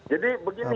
jadi begini bentar